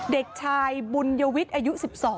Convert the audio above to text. เด็กชายบุญยวิทย์อายุ๑๒